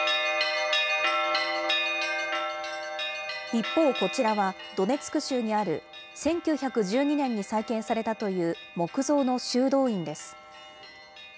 一方、こちらはドネツク州にある、１９１２年に再建されたという木造の修道院です。